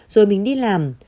rồi mình đi làm